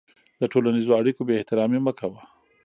د ټولنیزو اړیکو بېاحترامي مه کوه.